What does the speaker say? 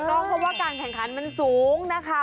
ต้องเพราะว่าการแข่งขันมันสูงนะคะ